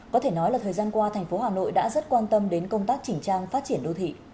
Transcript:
có thể nói là thời gian qua thành phố hà nội đã rất quan tâm đến công tác chỉnh trang phát triển đô thị